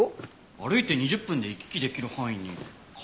歩いて２０分で行き来できる範囲に川自体ないよ。